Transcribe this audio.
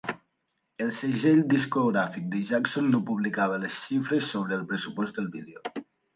El segell discogràfic de Jackson no publicava les xifres sobre el pressupost del vídeo.